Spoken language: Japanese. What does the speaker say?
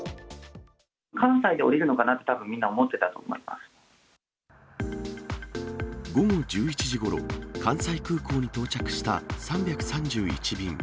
関西で降りるのかな？とたぶ午後１１時ごろ、関西空港に到着した３３１便。